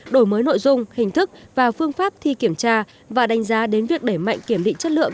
đổi mới nội dung hình thức và phương pháp thi kiểm tra và đánh giá đến việc đẩy mạnh kiểm định chất lượng